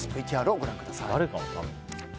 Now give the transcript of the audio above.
ＶＴＲをご覧ください。